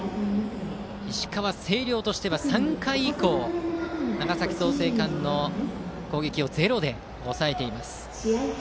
石川・星稜としては３回以降、長崎・創成館の攻撃をゼロで抑えています。